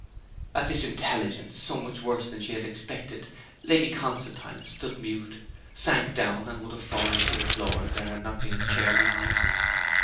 At this intelligence, so much worse than she had expected, Lady Constantine stood mute, sank down, and would have fallen to the floor if there had not been a chair behind her.